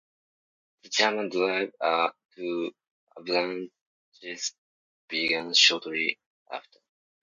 The German drive to Avranches began shortly after.